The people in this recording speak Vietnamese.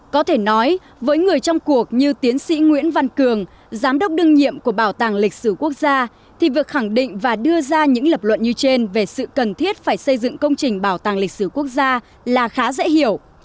có thể nói với người trong cuộc như tiến sĩ nguyễn văn cường giám đốc đương nhiệm của bảo tàng lịch sử quốc gia thì việc khẳng định và đưa ra những lập luận như trên về sự cần thiết phải xây dựng công trình bảo tàng lịch sử quốc gia là khá dễ hiểu